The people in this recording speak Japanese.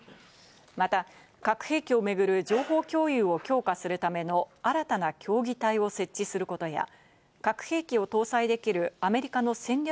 また核兵器をめぐる情報共有を強化するための新たな協議体を設置することや、核兵器を搭載できるアメリカの戦略